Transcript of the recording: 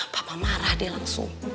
papa marah dia langsung